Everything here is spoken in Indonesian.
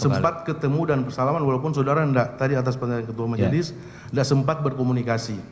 sempat ketemu dan bersalaman walaupun saudara tadi atas pertanyaan ketua majelis tidak sempat berkomunikasi